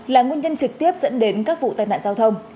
là nguyên nhân trực tiếp dẫn đến các vụ tai nạn giao thông